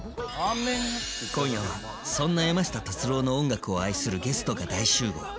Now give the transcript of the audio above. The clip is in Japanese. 今夜はそんな山下達郎の音楽を愛するゲストが大集合！